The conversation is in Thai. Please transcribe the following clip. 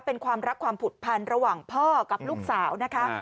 เป็นความรักความผูกพันระหว่างพ่อกับลูกสาวนะคะ